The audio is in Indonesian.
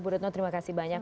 bu retno terima kasih banyak